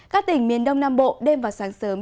các tỉnh miền đông nam bộ đêm và sáng sớm